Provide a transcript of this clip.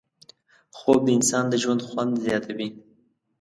خوب د انسان د ژوند خوند زیاتوي